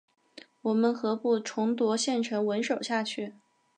我们何不重夺县城稳守下去？